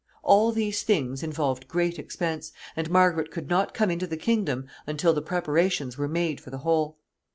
All these things involved great expense, and Margaret could not come into the kingdom until the preparations were made for the whole.